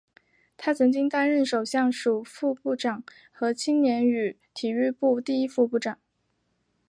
他曾经担任首相署副部长和青年与体育部第一副部长。